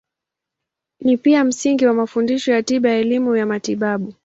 Ni pia msingi wa mafundisho ya tiba na elimu ya matibabu.